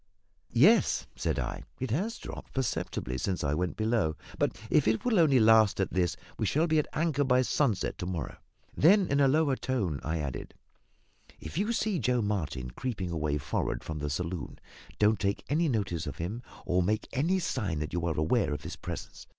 "Yes," said I, "it has dropped perceptibly since I went below; but if it will only last at this we shall be at anchor by sunset to morrow." Then, in a lower tone, I added, "If you see Joe Martin creeping away for'ard from the saloon, don't take any notice of him, or make any sign that you are aware of his presence.